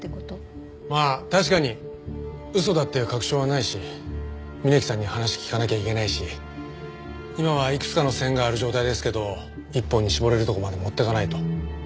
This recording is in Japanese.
まあ確かに嘘だっていう確証はないし峯木さんに話聞かなきゃいけないし今はいくつかの線がある状態ですけど一本に絞れるところまで持っていかないと。